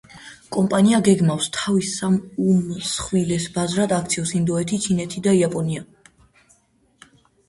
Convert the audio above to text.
კომპანია გეგმავს, თავის სამ უმსხვილეს ბაზრად აქციოს ინდოეთი, ჩინეთი და იაპონია.